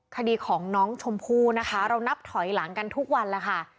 คดีของน้องชมพู่นะคะเรานับถอยหลังกันทุกวันแล้วค่ะ